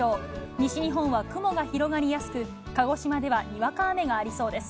西日本は雲が広がりやすく、鹿児島ではにわか雨がありそうです。